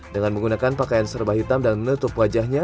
dengan menggunakan pakaian serba hitam dan menutup wajahnya